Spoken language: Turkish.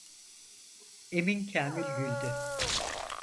Emin Kâmil güldü.